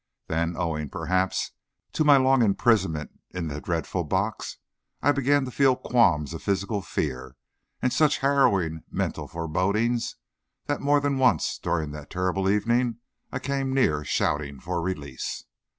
Then, owing, perhaps, to my long imprisonment in the dreadful box, I began to feel qualms of physical fear and such harrowing mental forebodings that more than once during that terrible evening I came near shouting for release.